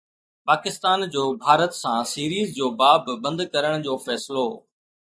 پاڪستان جو ڀارت سان سيريز جو باب بند ڪرڻ جو فيصلو